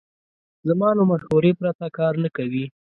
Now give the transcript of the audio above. زما له مشورې پرته کار نه کوي.